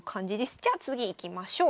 じゃあ次いきましょう。